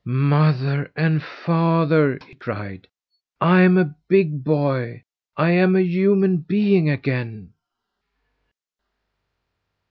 "Mother and father!" he cried. "I'm a big boy. I am a human being again!"